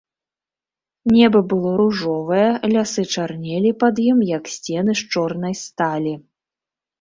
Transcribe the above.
Неба было ружовае, лясы чарнелі пад ім, як сцены з чорнай сталі.